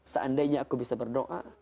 seandainya aku bisa berdoa